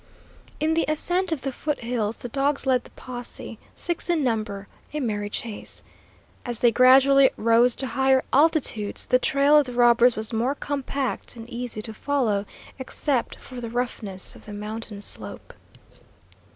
In the ascent of the foot hills the dogs led the posse, six in number, a merry chase. As they gradually rose to higher altitudes the trail of the robbers was more compact and easy to follow, except for the roughness of the mountain slope.